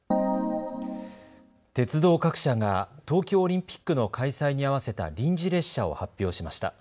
鉄道各社が東京オリンピックの開催に合わせた臨時列車を発表しました。